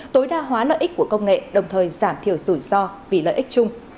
tối đa hóa lợi ích của công nghệ đồng thời giảm thiểu rủi ro vì lợi ích chung